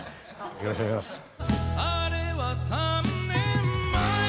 よろしくお願いします。